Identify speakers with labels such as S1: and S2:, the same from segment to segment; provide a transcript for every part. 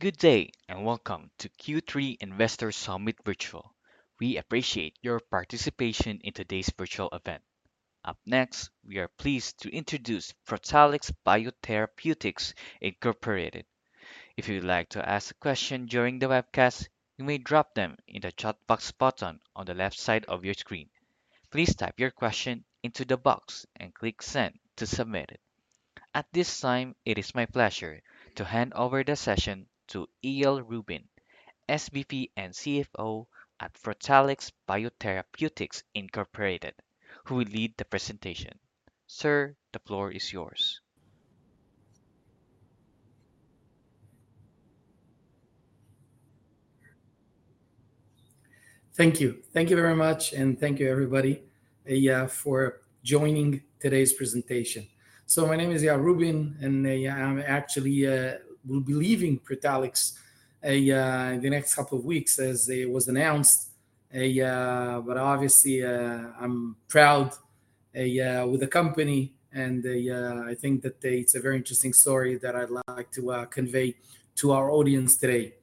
S1: Good day and welcome to Q3 Investor Summit Virtual. We appreciate your participation in today's virtual event. Up next, we are pleased to introduce Protalix BioTherapeutics Incorporated. If you'd like to ask a question during the webcast, you may drop them in the 'Chat Box' button on the left side of your screen. Please type your question into the box and click 'Send' to submit it. At this time, it is my pleasure to hand over the session to Eyal Rubin, SVP and CFO at Protalix BioTherapeutics Incorporated, who will lead the presentation. Sir, the floor is yours.
S2: Thank you. Thank you very much, and thank you, everybody, for joining today's presentation. So, my name is Eyal Rubin, and I'm actually will be leaving Protalix in the next couple of weeks, as it was announced. Obviously, I'm proud with the company, and I think that it's a very interesting story that I'd like to convey to our audience today.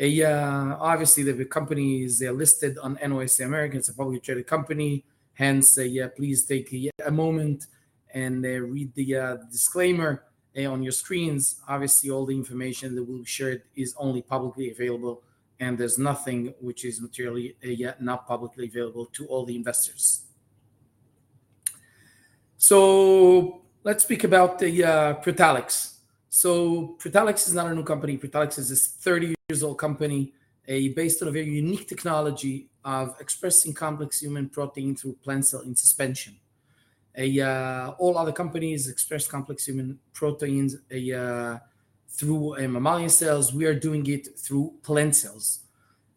S2: Obviously, the company is listed on NYSE American. It's a publicly traded company. Hence, please take a moment and read the disclaimer on your screens. Obviously, all the information that will be shared is only publicly available, and there's nothing which is materially not publicly available to all the investors. Let's speak about Protalix. Protalix is not a new company. Protalix is a 30-year-old company based on a very unique technology of expressing complex human protein through plant cell in suspension. All other companies express complex human protein through mammalian cells. We are doing it through plant cells.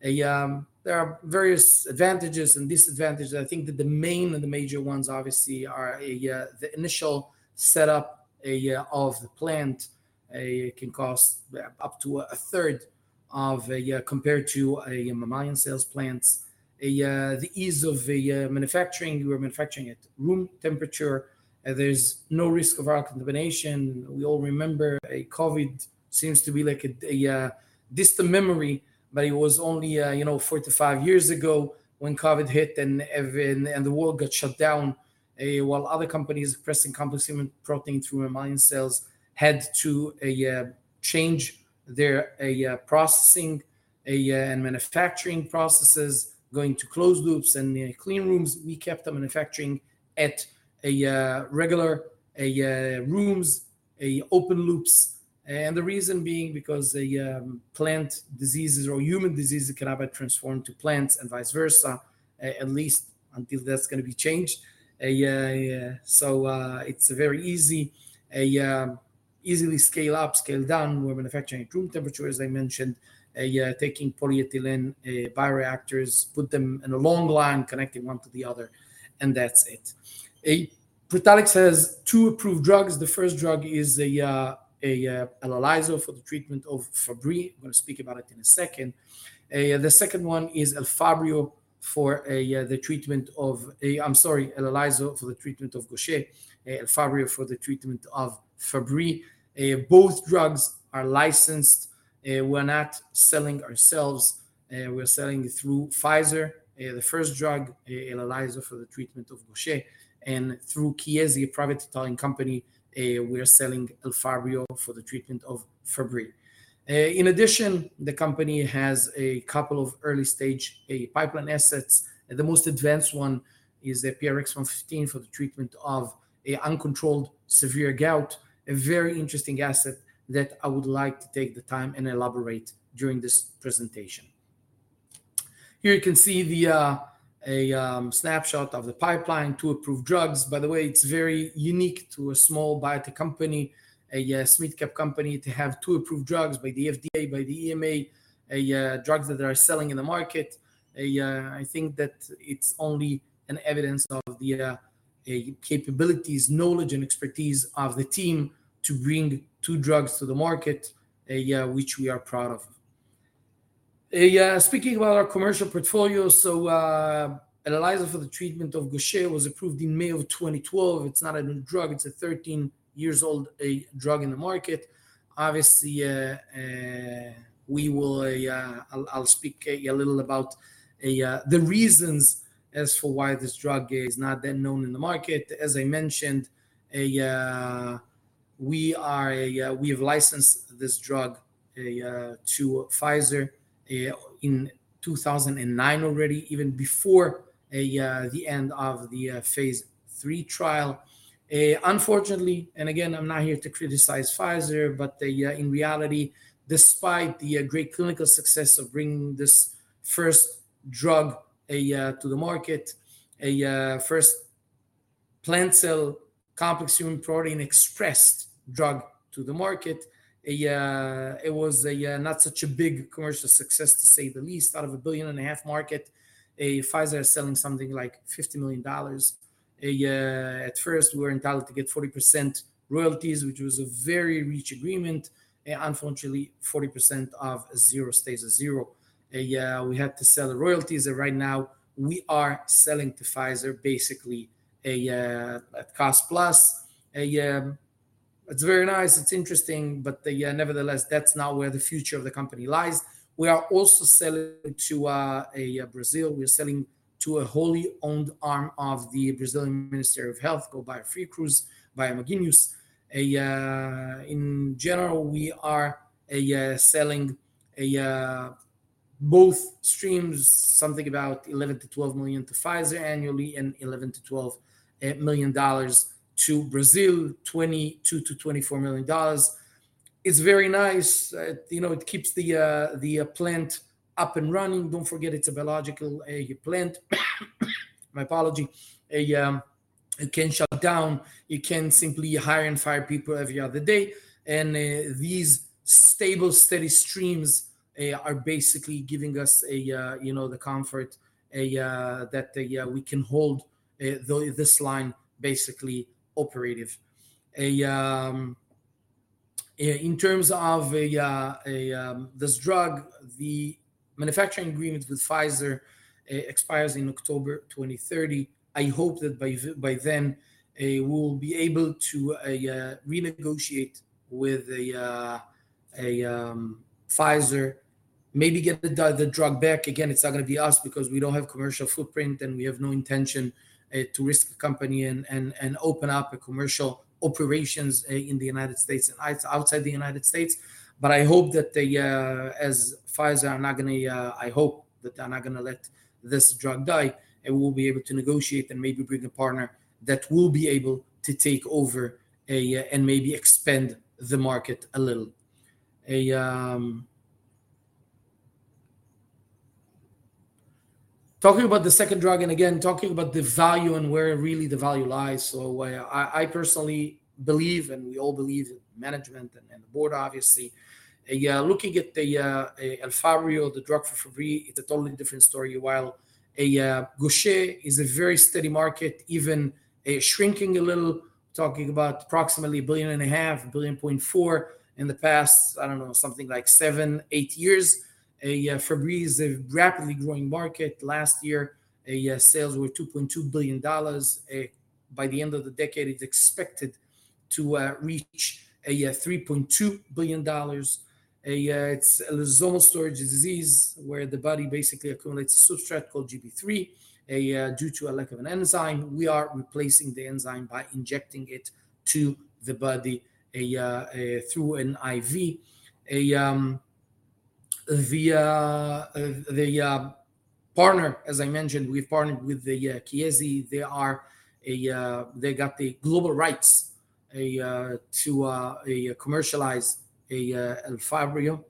S2: There are various advantages and disadvantages. I think that the main and the major ones, obviously, are the initial setup of the plant can cost up to a third compared to mammalian cell plants. The ease of manufacturing, we're manufacturing at room temperature. There's no risk of viral contamination. We all remember COVID seems to be like a distant memory, but it was only 4-5 years ago when COVID hit and the world got shut down. While other companies expressing complex human protein through mammalian cells had to change their processing and manufacturing processes, going to closed loops and clean rooms, we kept the manufacturing at regular rooms, open loops. And the reason being because plant diseases or human diseases cannot be transformed to plants and vice versa, at least until that's going to be changed. So it's very easy, easily scale up, scale down. We're manufacturing at room temperature, as I mentioned, taking polyethylene bioreactors, put them in a long line, connecting one to the other, and that's it. Protalix has two approved drugs. The first drug is Elelyso for the treatment of Fabry. I'm going to speak about it in a second. The second one is Elfabrio for the treatment of, I'm sorry, Elelyso for the treatment of Gaucher, Elfabrio for the treatment of Fabry. Both drugs are licensed. We're not selling ourselves. We're selling through Pfizer, the first drug, Elelyso for the treatment of Gaucher. And through Chiesi, a private Italian company, we're selling Elfabrio for the treatment of Fabry. In addition, the company has a couple of early-stage pipeline assets. The most advanced one is the PRX-115 for the treatment of uncontrolled severe gout, a very interesting asset that I would like to take the time and elaborate during this presentation. Here you can see the snapshot of the pipeline, two approved drugs. By the way, it's very unique to a small biotech company, a mid-cap company, to have two approved drugs by the FDA, by the EMA, drugs that they are selling in the market. I think that it's only an evidence of the capabilities, knowledge, and expertise of the team to bring two drugs to the market, which we are proud of. Speaking about our commercial portfolio, so Elelyso for the treatment of Gaucher was approved in May of 2012. It's not a new drug. It's a 13-year-old drug in the market. Obviously, we will. I'll speak a little about the reasons as to why this drug is not that known in the market. As I mentioned, we have licensed this drug to Pfizer in 2009 already, even before the end of the phase III trial. Unfortunately, and again, I'm not here to criticize Pfizer, but in reality, despite the great clinical success of bringing this first drug to the market, a first plant cell complex human protein expressed drug to the market, it was not such a big commercial success, to say the least. Out of a $1.5 billion market, Pfizer is selling something like $50 million. At first, we were entitled to get 40% royalties, which was a very rich agreement. Unfortunately, 40% of zero stays a zero. We had to sell the royalties. And right now, we are selling to Pfizer, basically at cost plus. It's very nice. It's interesting. But nevertheless, that's not where the future of the company lies. We are also selling to Brazil. We are selling to a wholly owned arm of the Brazilian Ministry of Health, Bio-Manguinhos/Fiocruz. In general, we are selling both streams, something about $11 million-$12 million to Pfizer annually and $11 million-$12 million to Brazil, $22 million-$24 million. It's very nice. It keeps the plant up and running. Don't forget, it's a biological plant. My apology. It can shut down. You can simply hire and fire people every other day. And these stable, steady streams are basically giving us the comfort that we can hold this line basically operative. In terms of this drug, the manufacturing agreement with Pfizer expires in October 2030. I hope that by then we'll be able to renegotiate with Pfizer, maybe get the drug back. Again, it's not going to be us because we don't have commercial footprint and we have no intention to risk a company and open up commercial operations in the United States and outside the United States, but I hope that Pfizer, I hope that they're not going to let this drug die. We'll be able to negotiate and maybe bring a partner that will be able to take over and maybe expand the market a little. Talking about the second drug and again, talking about the value and where really the value lies, so I personally believe, and we all believe in management and the board, obviously, looking at the Elfabrio, the drug for Fabry, it's a totally different story. While Gaucher is a very steady market, even shrinking a little, talking about approximately $1.5 billion, $1.4 billion in the past, I don't know, something like 7-8 years. Fabry is a rapidly growing market. Last year, sales were $2.2 billion. By the end of the decade, it's expected to reach $3.2 billion. It's a lysosomal storage disease where the body basically accumulates a substrate called Gb3 due to a lack of an enzyme. We are replacing the enzyme by injecting it to the body through an IV. The partner, as I mentioned, we've partnered with Chiesi. They got the global rights to commercialize Elfabrio.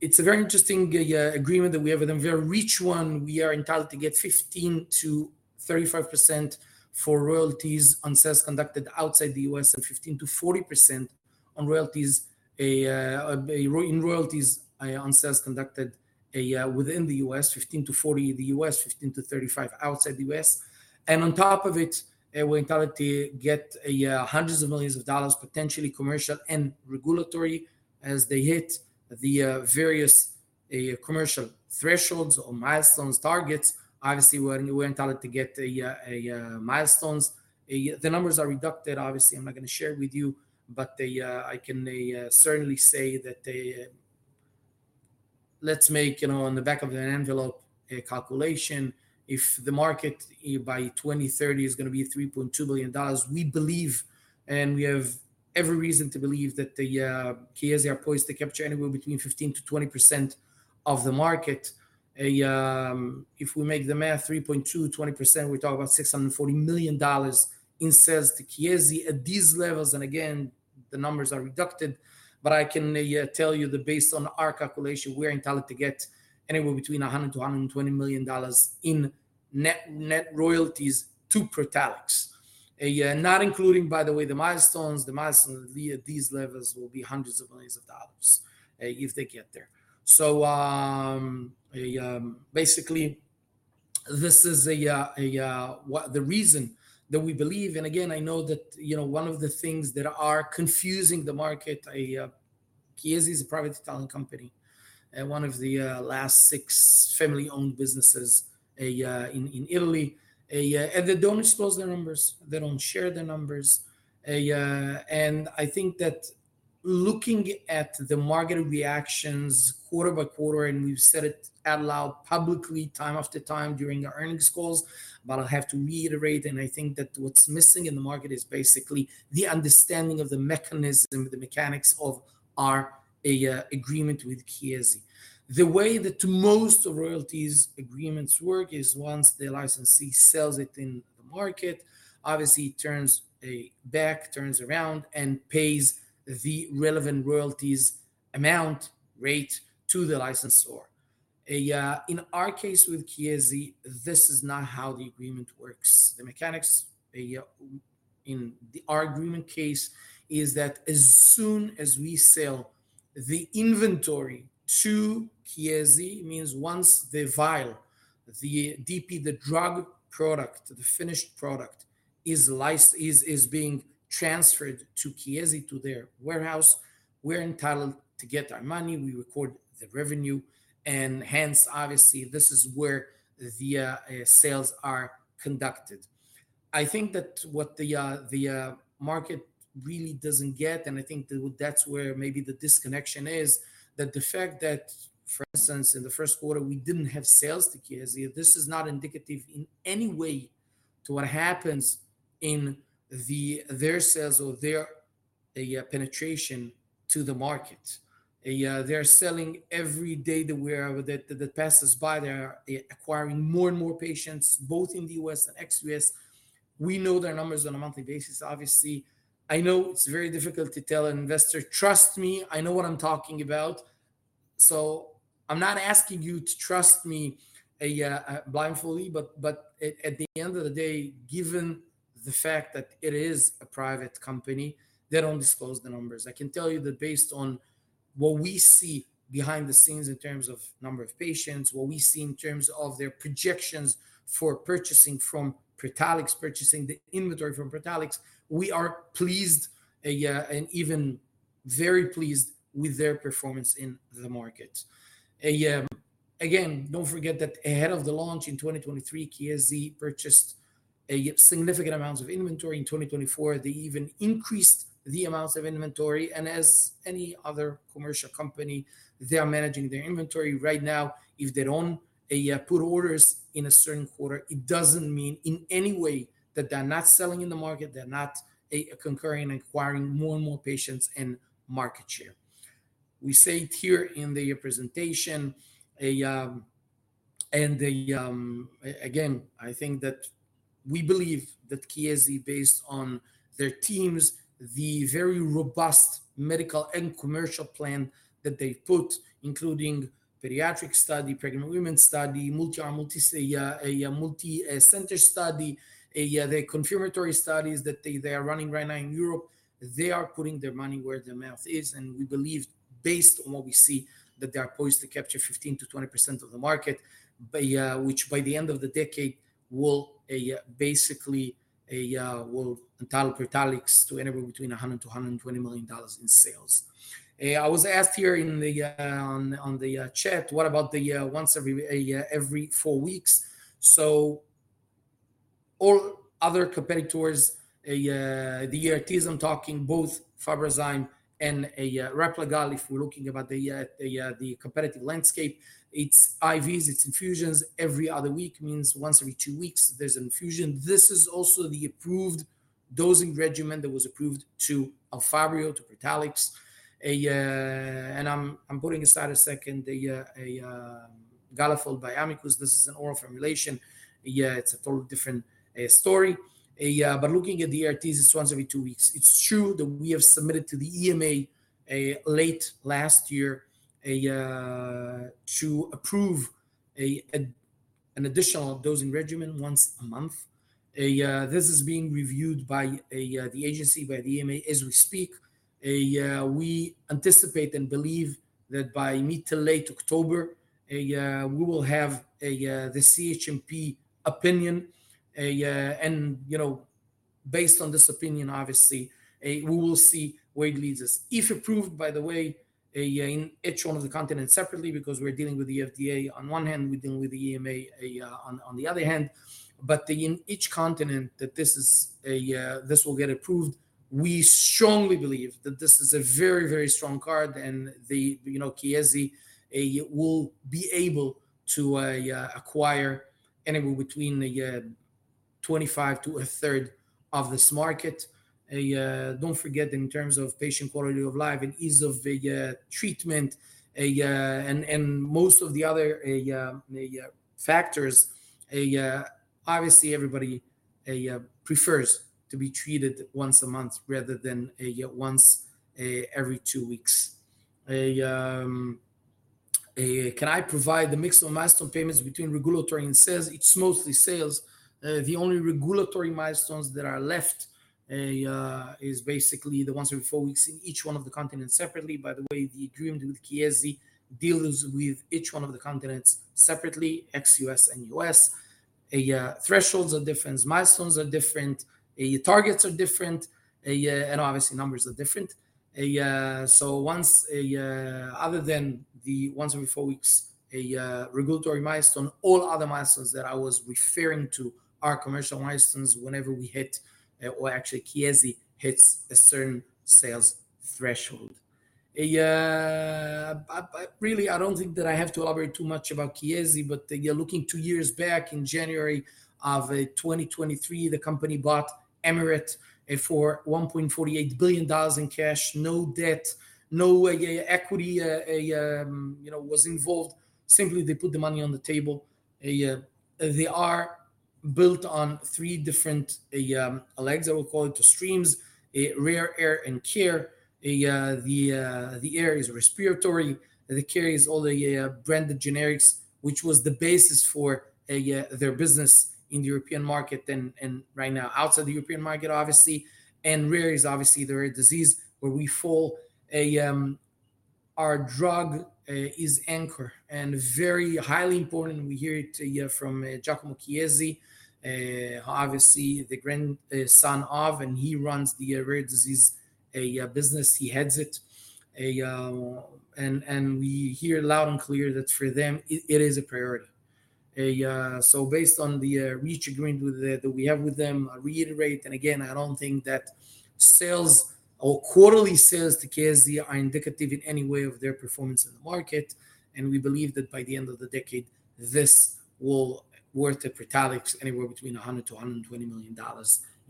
S2: It's a very interesting agreement that we have with them, very rich one. We are entitled to get 15%-35% for royalties on sales conducted outside the U.S. and 15%-40% on royalties on sales conducted within the U.S., 15%-40% in the U.S., 15%-35% outside the U.S. And on top of it, we're entitled to get $100 million, potentially commercial and regulatory, as they hit the various commercial thresholds or milestones targets. Obviously, we're entitled to get milestones. The numbers are redacted. Obviously, I'm not going to share with you, but I can certainly say that let's make on the back of the envelope a calculation. If the market by 2030 is going to be $3.2 billion, we believe, and we have every reason to believe that the Chiesi are poised to capture anywhere between 15%-20% of the market. If we make the math, 3.2, 20%, we're talking about $640 million in sales to Chiesi at these levels. And again, the numbers are redacted. But I can tell you that based on our calculation, we're entitled to get anywhere between $100 million-$120 million in net royalties to Protalix. Not including, by the way, the milestones. The milestones at these levels will be hundreds of millions of dollars if they get there. So basically, this is the reason that we believe. And again, I know that one of the things that are confusing the market. Chiesi is a private Italian company, one of the last six family-owned businesses in Italy. And they don't disclose their numbers. They don't share their numbers. I think that looking at the market reactions quarter-by-quarter, and we've said it out loud publicly time after time during our earnings calls, but I'll have to reiterate. I think that what's missing in the market is basically the understanding of the mechanism, the mechanics of our agreement with Chiesi. The way that most royalties agreements work is once the licensee sells it in the market, obviously turns back, turns around, and pays the relevant royalties amount rate to the licensor. In our case with Chiesi, this is not how the agreement works. The mechanics in our agreement case is that as soon as we sell the inventory to Chiesi, it means once the vial, the DP, the drug product, the finished product is being transferred to Chiesi, to their warehouse, we're entitled to get our money. We record the revenue. And hence, obviously, this is where the sales are conducted. I think that what the market really doesn't get, and I think that's where maybe the disconnection is, that the fact that, for instance, in the first quarter, we didn't have sales to Chiesi, this is not indicative in any way to what happens in their sales or their penetration to the market. They're selling every day that passes by. They're acquiring more and more patients, both in the U.S. and ex-U.S. We know their numbers on a monthly basis, obviously. I know it's very difficult to tell an investor, "Trust me. I know what I'm talking about." So I'm not asking you to trust me blindfolded. But at the end of the day, given the fact that it is a private company, they don't disclose the numbers. I can tell you that based on what we see behind the scenes in terms of number of patients, what we see in terms of their projections for purchasing from Protalix, purchasing the inventory from Protalix, we are pleased and even very pleased with their performance in the market. Again, don't forget that ahead of the launch in 2023, Chiesi purchased significant amounts of inventory. In 2024, they even increased the amounts of inventory, and as any other commercial company, they are managing their inventory. Right now, if they don't put orders in a certain quarter, it doesn't mean in any way that they're not selling in the market. They're continuing and acquiring more and more patients and market share. We say it here in the presentation. And again, I think that we believe that Chiesi, based on their teams, the very robust medical and commercial plan that they've put, including pediatric study, pregnant women study, multi-center study, the confirmatory studies that they are running right now in Europe, they are putting their money where their mouth is. And we believe, based on what we see, that they are poised to capture 15%-20% of the market, which by the end of the decade will basically entitle Protalix to anywhere between $100 million-$120 million in sales. I was asked here on the chat, "What about the once every four weeks?" So all other competitors, the ERTs I'm talking, both Fabrazyme and Replagal, if we're looking about the competitive landscape, it's IVs, it's infusions. Every other week means once every two weeks, there's an infusion. This is also the approved dosing regimen that was approved to Elfabrio, to Protalix, and I'm putting aside a second, the Galafold by Amicus. This is an oral formulation. It's a totally different story, but looking at the ERTs, it's once every two weeks. It's true that we have submitted to the EMA late last year to approve an additional dosing regimen once a month. This is being reviewed by the agency, by the EMA as we speak. We anticipate and believe that by mid to late October, we will have the CHMP opinion, and based on this opinion, obviously, we will see where it leads. If approved, by the way, in each one of the continents separately, because we're dealing with the FDA on one hand, we're dealing with the EMA on the other hand. But in each continent that this will get approved, we strongly believe that this is a very, very strong card. And Chiesi will be able to acquire anywhere between 25 to a third of this market. Don't forget, in terms of patient quality of life and ease of treatment and most of the other factors, obviously, everybody prefers to be treated once a month rather than once every two weeks. Can I provide the mix of milestone payments between regulatory and sales? It's mostly sales. The only regulatory milestones that are left is basically the once every four weeks in each one of the continents separately. By the way, the agreement with Chiesi deals with each one of the continents separately, ex-U.S. and U.S. Thresholds are different, milestones are different, targets are different, and obviously, numbers are different. So other than the once every four weeks, regulatory milestone, all other milestones that I was referring to are commercial milestones whenever we hit or actually Chiesi hits a certain sales threshold. Really, I don't think that I have to elaborate too much about Chiesi, but looking two years back in January of 2023, the company bought Amryt for $1.48 billion in cash. No debt, no equity was involved. Simply, they put the money on the table. They are built on three different legs, I will call it, streams: Rare, Air, and Care. The air is respiratory. The care is all the branded generics, which was the basis for their business in the European market and right now outside the European market, obviously. And rare is obviously the rare disease where we fall. Our drug is Elfabrio and very highly important. We hear it from Giacomo Chiesi, obviously the grandson of, and he runs the Rare Disease business. He heads it, and we hear loud and clear that for them, it is a priority, so based on the research agreement that we have with them, I reiterate, and again, I don't think that sales or quarterly sales to Chiesi are indicative in any way of their performance in the market, and we believe that by the end of the decade, this will worth it. Protalix, anywhere between $100 million-$120 million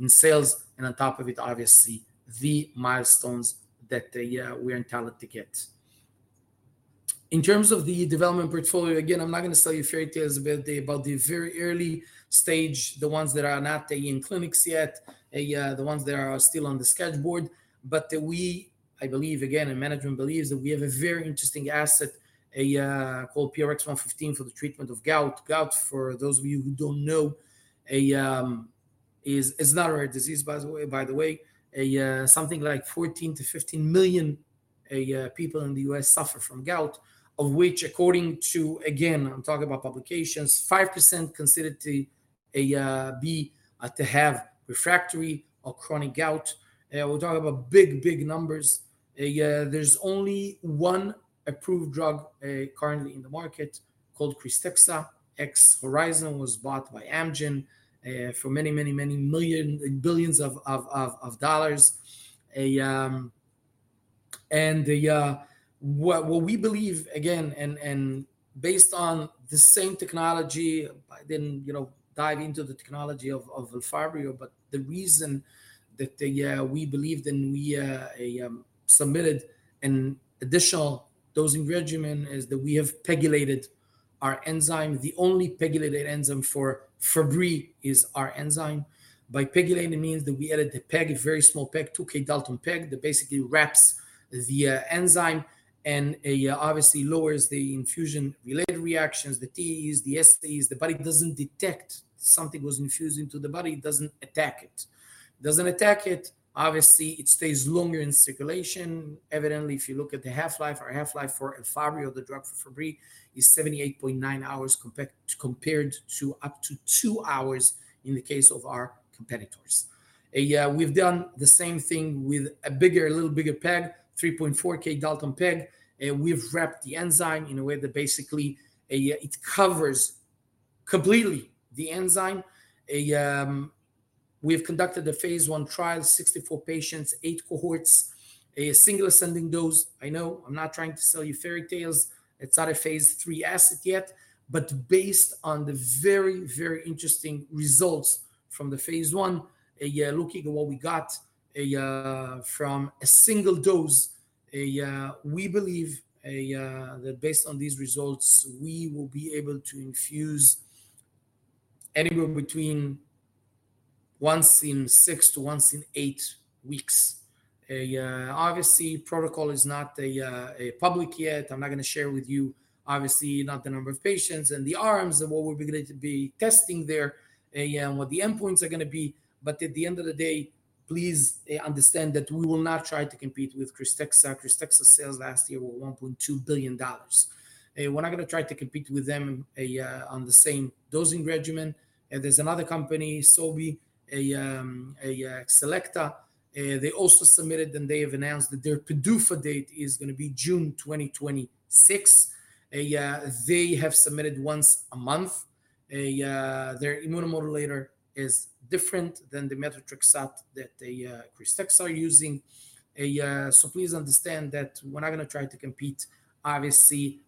S2: in sales, and on top of it, obviously, the milestones that we're entitled to get. In terms of the development portfolio, again, I'm not going to tell you fairy tales about the very early stage, the ones that are not in clinics yet, the ones that are still on the drawing board. But we, I believe, again, and management believes that we have a very interesting asset called PRX-115 for the treatment of gout. Gout, for those of you who don't know, is not a rare disease, by the way. Something like 14 million-15 million people in the U.S. suffer from gout, of which, according to, again, I'm talking about publications, 5% considered to have refractory or chronic gout. We're talking about big, big numbers. There's only one approved drug currently in the market called KRYSTEXXA, ex-Horizon was bought by Amgen for many, many, many billions of dollars. And what we believe, again, and based on the same technology, I didn't dive into the technology of Elfabrio, but the reason that we believed and we submitted an additional dosing regimen is that we have PEGylated our enzyme. The only PEGylated enzyme for Fabry is our enzyme. By PEGylate, it means that we added a PEG, a very small PEG, 2 kDa PEG that basically wraps the enzyme and obviously lowers the infusion-related reactions, the TEs, the STs. The body doesn't detect something was infused into the body. It doesn't attack it. It doesn't attack it. Obviously, it stays longer in circulation. Evidently, if you look at the half-life or half-life for Elfabrio, the drug for Fabry is 78.9 hours compared to up to two hours in the case of our competitors. We've done the same thing with a little bigger PEG, 3.42 kDa PEG. We've wrapped the enzyme in a way that basically it covers completely the enzyme. We've conducted a phase I trial, 64 patients, eight cohorts, a single ascending dose. I know I'm not trying to sell you fairy tales. It's not a phase III asset yet. But based on the very, very interesting results from the phase I, looking at what we got from a single dose, we believe that based on these results, we will be able to infuse anywhere between once in six to once in eight weeks. Obviously, protocol is not public yet. I'm not going to share with you, obviously, not the number of patients and the arms and what we're going to be testing there and what the endpoints are going to be. But at the end of the day, please understand that we will not try to compete with KRYSTEXXA. KRYSTEXXA sales last year were $1.2 billion. We're not going to try to compete with them on the same dosing regimen. There's another company, Sobi, Selecta. They also submitted, and they have announced that their PDUFA date is going to be June 2026. They have submitted once a month. Their immunomodulator is different than the methotrexate that KRYSTEXXA is using. So please understand that we're not going to try to compete, obviously,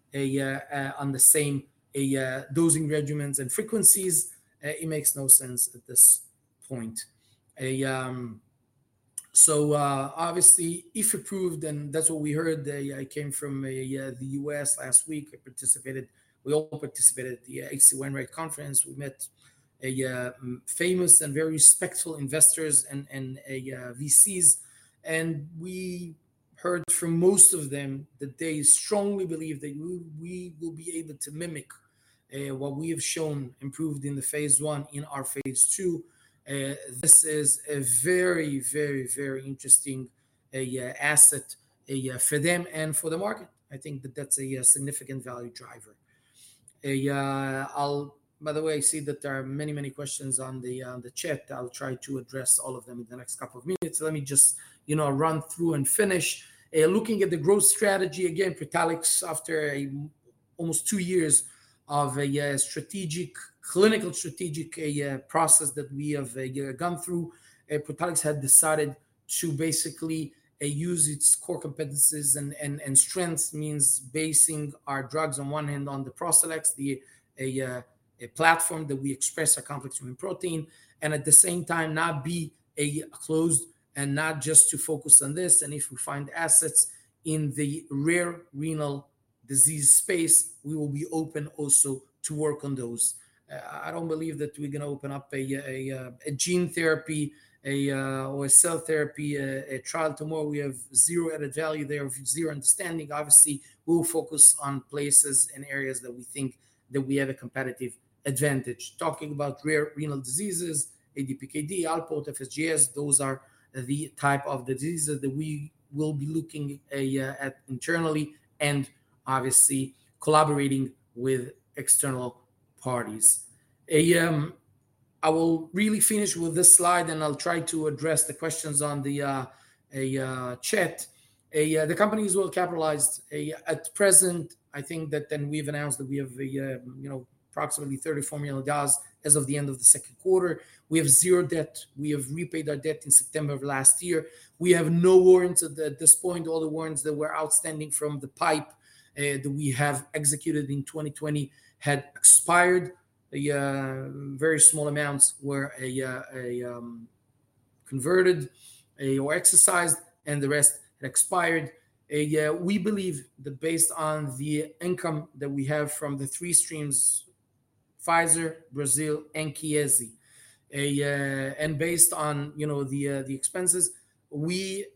S2: on the same dosing regimens and frequencies. It makes no sense at this point, so obviously, if approved, and that's what we heard. I came from the U.S. last week. We all participated at the H.C. Wainwright conference. We met famous and very respected investors and VCs, and we heard from most of them that they strongly believe that we will be able to mimic what we have shown improved in the phase I in our phase II. This is a very, very, very interesting asset for them and for the market. I think that that's a significant value driver. By the way, I see that there are many, many questions on the chat. I'll try to address all of them in the next couple of minutes. Let me just run through and finish. Looking at the growth strategy, again, Protalix, after almost two years of a clinical strategic process that we have gone through, Protalix had decided to basically use its core competencies and strengths, means basing our drugs on one hand on the ProCellEx, a platform that we express our complex human protein, and at the same time, not be closed and not just to focus on this, and if we find assets in the rare renal disease space, we will be open also to work on those. I don't believe that we're going to open up a gene therapy or a cell therapy trial tomorrow. We have zero added value there of zero understanding. Obviously, we'll focus on places and areas that we think that we have a competitive advantage. Talking about rare renal diseases, ADPKD, Alport, FSGS, those are the type of diseases that we will be looking at internally and obviously collaborating with external parties. I will really finish with this slide, and I'll try to address the questions on the chat. The company is well capitalized. At present, I think that then we've announced that we have approximately $34 million as of the end of the second quarter. We have zero debt. We have repaid our debt in September of last year. We have no warrants at this point. All the warrants that were outstanding from the pipe that we have executed in 2020 had expired. Very small amounts were converted or exercised, and the rest had expired. We believe that based on the income that we have from the three streams, Pfizer, Brazil, and Chiesi, and based on the expenses, we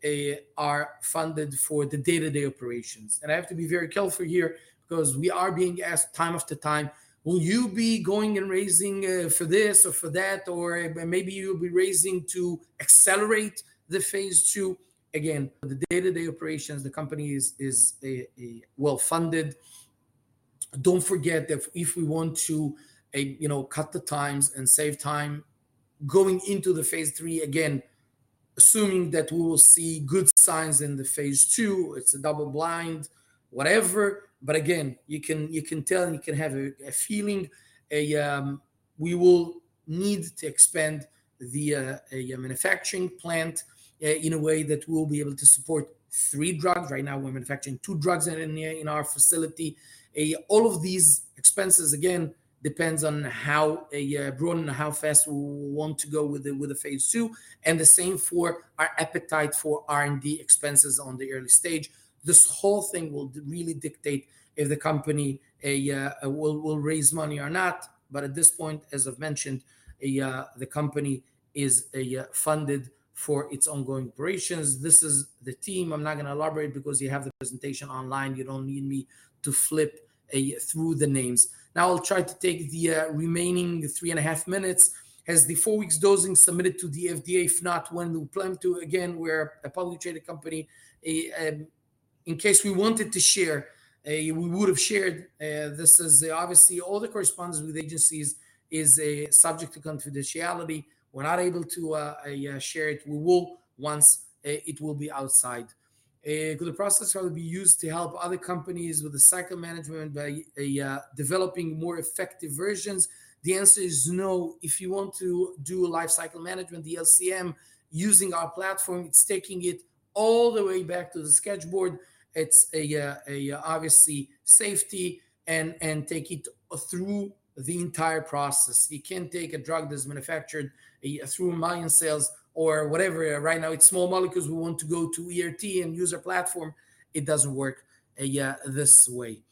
S2: are funded for the day-to-day operations, and I have to be very careful here because we are being asked time after time, "Will you be going and raising for this or for that?" Or maybe you'll be raising to accelerate the phase II. Again, the day-to-day operations, the company is well funded. Don't forget that if we want to cut the times and save time going into the phase III, again, assuming that we will see good signs in the phase II, it's a double blind, whatever, but again, you can tell and you can have a feeling we will need to expand the manufacturing plant in a way that we'll be able to support three drugs. Right now, we're manufacturing two drugs in our facility. All of these expenses, again, depends on how broad and how fast we want to go with the phase II. And the same for our appetite for R&D expenses on the early stage. This whole thing will really dictate if the company will raise money or not. But at this point, as I've mentioned, the company is funded for its ongoing operations. This is the team. I'm not going to elaborate because you have the presentation online. You don't need me to flip through the names. Now, I'll try to take the remaining three and a half minutes. Has the four-week dosing submitted to the FDA? If not, when do we plan to? Again, we're a publicly traded company. In case we wanted to share, we would have shared. This is obviously all the correspondence with agencies is subject to confidentiality. We're not able to share it. We will once it will be outside. Could the platform be used to help other companies with life cycle management by developing more effective versions? The answer is no. If you want to do life cycle management, the LCM using our platform, it's taking it all the way back to the drawing board. It's obviously safety and take it through the entire process. You can't take a drug that's manufactured through mammalian cells or whatever. Right now, it's small molecules. We want to go to ERT and use our platform. It doesn't work this way.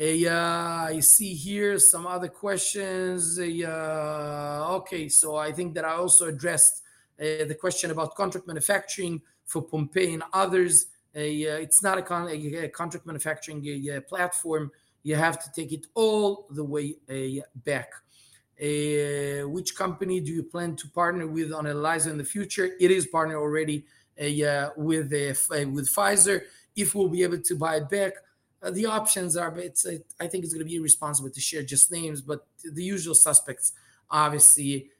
S2: I see here some other questions. Okay. So I think that I also addressed the question about contract manufacturing for Pompe and others. It's not a contract manufacturing platform. You have to take it all the way back. Which company do you plan to partner with on Elfabrio in the future? It is partnered already with Pfizer. If we'll be able to buy it back, the options are, but I think it's going to be irresponsible to share just names, but the usual suspects obviously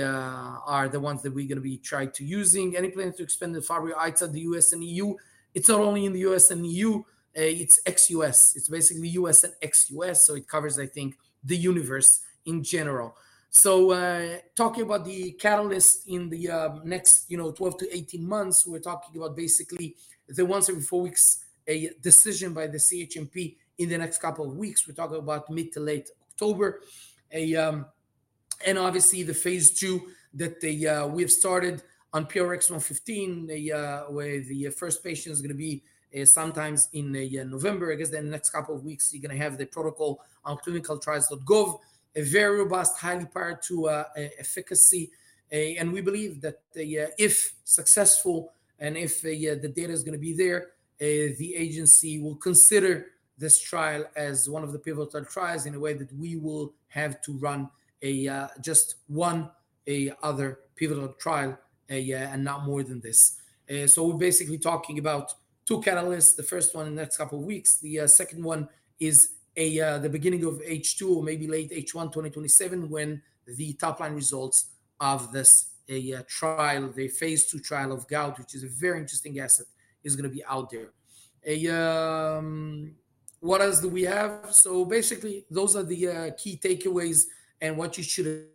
S2: are the ones that we're going to be trying to use. Any plan to expand the Fabry outside the U.S. and EU? It's not only in the U.S. and EU. It's ex-U.S. It's basically U.S. and ex-U.S. So it covers, I think, the universe in general. So talking about the catalyst in the next 12-18 months, we're talking about basically the once every four weeks decision by the CHMP in the next couple of weeks. We're talking about mid to late October. And obviously, the phase II that we have started on PRX-115, where the first patient is going to be sometime in November, I guess, in the next couple of weeks, you're going to have the protocol on ClinicalTrials.gov, a very robust, highly powered to efficacy. And we believe that if successful and if the data is going to be there, the agency will consider this trial as one of the pivotal trials in a way that we will have to run just one other pivotal trial and not more than this. So we're basically talking about two catalysts. The first one in the next couple of weeks. The second one is the beginning of H2 or maybe late H1 2027 when the top-line results of this trial, the phase II trial of gout, which is a very interesting asset, is going to be out there. What else do we have? So basically, those are the key takeaways and what you should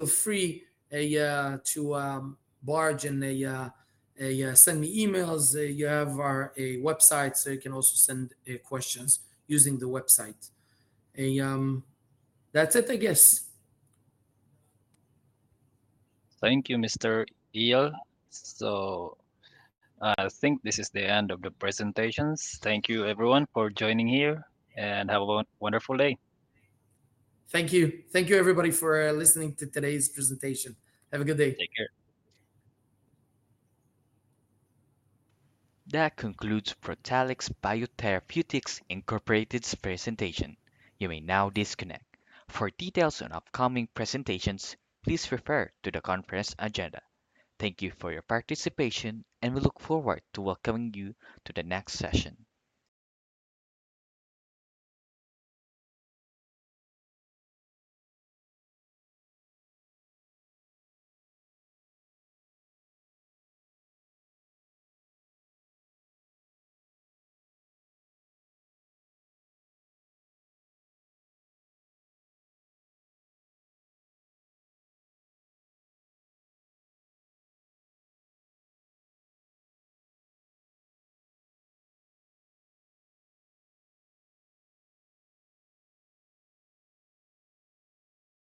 S2: feel free to barge in and send me emails. You have our website, so you can also send questions using the website. That's it, I guess.
S1: Thank you, Mr. Eyal. So I think this is the end of the presentations. Thank you, everyone, for joining here, and have a wonderful day.
S2: Thank you. Thank you, everybody, for listening to today's presentation. Have a good day. Take care.
S1: That concludes Protalix BioTherapeutics Incorporated's presentation. You may now disconnect. For details on upcoming presentations, please refer to the conference agenda. Thank you for your participation, and we look forward to welcoming you to the next session.